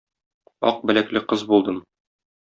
Ак беләкле кыз булдым